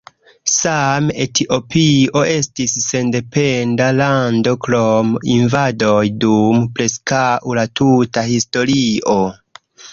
Same Etiopio estis sendependa lando krom invadoj dum preskaŭ la tuta historio.